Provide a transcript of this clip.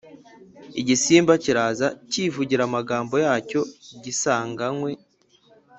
igisimba kiraza cyivugira amagambo yacyo gisanganywe